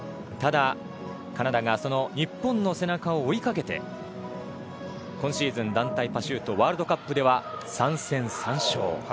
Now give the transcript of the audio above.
ただ、カナダがその日本の背中を追いかけて今シーズン団体パシュートワールドカップでは３戦３勝。